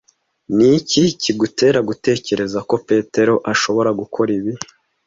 Niki kigutera gutekereza ko Petero ashobora gukora ibi?